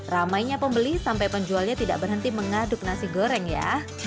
ramainya pembeli sampai penjualnya tidak berhenti mengaduk nasi goreng ya